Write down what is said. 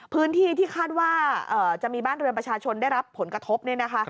พื้นที่ที่คาดว่าจะมีบ้านเรือนประชาชนได้รับผลกระทบเนี่ยนะคะ